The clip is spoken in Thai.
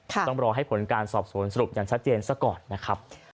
ต้องรอให้ผลการสอบสวนสรุปอย่างชัดเจนซะก่อนนะครับ